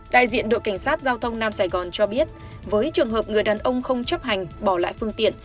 đại diện đội cảnh sát giao thông nam sài gòn cho biết với trường hợp người đàn ông không chấp hành bỏ lại phương tiện